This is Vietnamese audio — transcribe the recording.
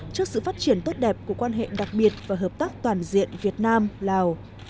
trước sự phát triển tốt đẹp của quan hệ đặc biệt và hợp tác toàn diện việt nam lào